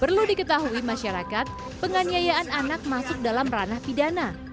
perlu diketahui masyarakat penganiayaan anak masuk dalam ranah pidana